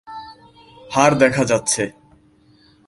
হাড় দেখা যাচ্ছে।